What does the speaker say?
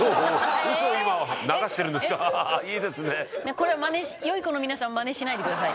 これ良い子の皆さんはマネしないでください。